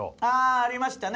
ありましたね